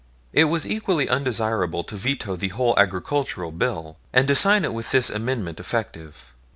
It was equally undesirable to veto the whole agricultural bill, and to sign it with this amendment effective.